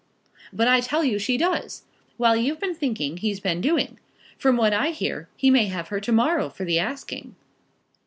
"But I tell you she does. While you've been thinking he's been doing. From what I hear he may have her to morrow for the asking."